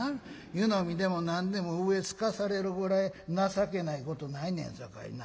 湯飲みでも何でも上すかされるぐらい情けないことないねんさかいな。